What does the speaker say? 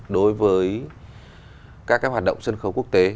đối với các hoạt động sân khấu quốc tế